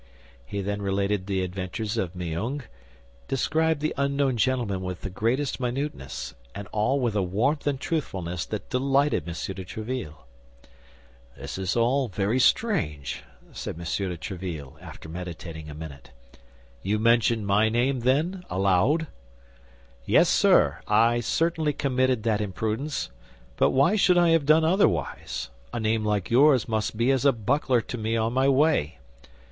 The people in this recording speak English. He then related the adventure of Meung, described the unknown gentleman with the greatest minuteness, and all with a warmth and truthfulness that delighted M. de Tréville. "This is all very strange," said M. de Tréville, after meditating a minute; "you mentioned my name, then, aloud?" "Yes, sir, I certainly committed that imprudence; but why should I have done otherwise? A name like yours must be as a buckler to me on my way.